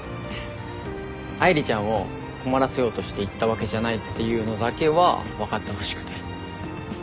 愛梨ちゃんを困らせようとして言ったわけじゃないっていうのだけは分かってほしくて。